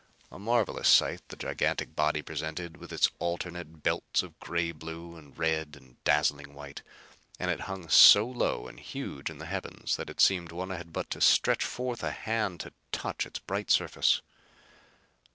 A marvelous sight the gigantic body presented, with its alternate belts of gray blue and red and dazzling white. And it hung so low and huge in the heavens that it seemed one had but to stretch forth a hand to touch its bright surface.